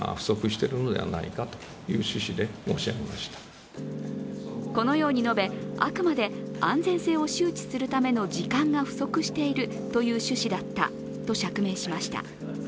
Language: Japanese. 山口氏は今日このように述べ、あくまで安全性を周知するための時間が不足しているという趣旨だったと釈明しました。